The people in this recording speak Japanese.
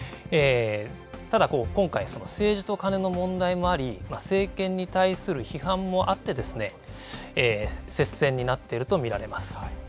ただ、今回政治とカネの問題もあり、政権に対する批判もあって接戦になっていると見られます。